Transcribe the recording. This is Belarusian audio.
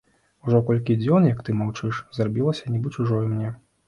Ужо колькі дзён, як ты маўчыш, зрабілася нібы чужою мне.